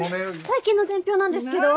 最近の伝票なんですけど。